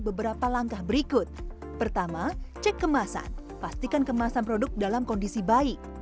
beberapa langkah berikut pertama cek kemasan pastikan kemasan produk dalam kondisi baik